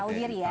tau diri ya